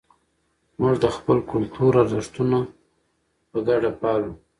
موږ د خپل کلتور ارزښتونه په ګډه پالو.